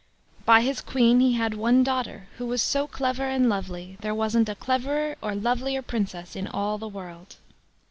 By his Queen he had one daughter, who was so clever and lovely, there wasn't a cleverer or lovelier Princess in all the world.